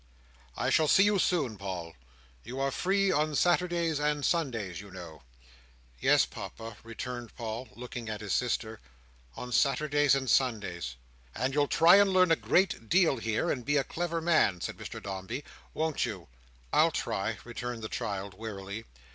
"I shall see you soon, Paul. You are free on Saturdays and Sundays, you know." "Yes, Papa," returned Paul: looking at his sister. "On Saturdays and Sundays." "And you'll try and learn a great deal here, and be a clever man," said Mr Dombey; "won't you?" "I'll try," returned the child, wearily.